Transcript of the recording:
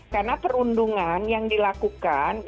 karena perundungan yang dilakukan